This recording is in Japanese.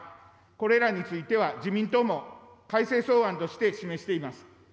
これらについては、自民党も改正草案として示しています。